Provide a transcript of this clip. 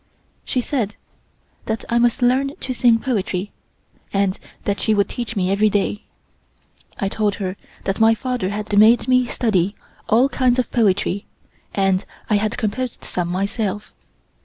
She said that I must learn to sing poetry and that she would teach me every day. I told her that my father had made me study all kinds of poetry and I had composed some myself.